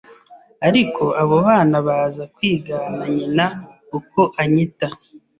ariko abo bana baza kwigana nyina uko anyita